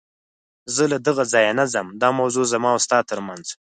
زه له دغه ځایه نه ځم، دا موضوع زما او ستا تر منځ.